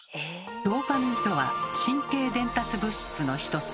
ドーパミンとは神経伝達物質の一つ。